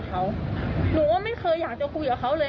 ก็เหยียบหนูเลย